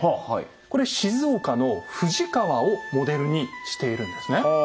これ静岡の富士川をモデルにしているんですね。